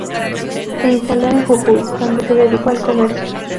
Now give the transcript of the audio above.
Se instaló en Jujuy, donde se dedicó al comercio.